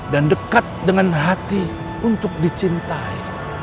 dekat dengan hati untuk dicintai